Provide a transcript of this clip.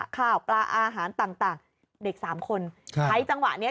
ข้าวปลาอาหารต่างเด็กสามคนใช้จังหวะนี้